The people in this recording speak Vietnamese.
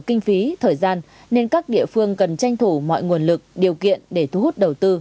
kinh phí thời gian nên các địa phương cần tranh thủ mọi nguồn lực điều kiện để thu hút đầu tư